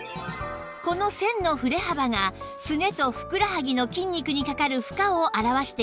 この線の振れ幅がすねとふくらはぎの筋肉にかかる負荷を表しています